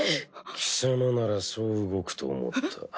貴様ならそう動くと思った。